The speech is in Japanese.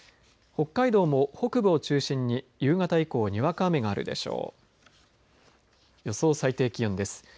北海道も北部を中心に夕方以降にわか雨があるでしょう。